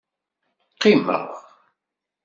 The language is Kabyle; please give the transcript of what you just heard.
Qqimeɣ.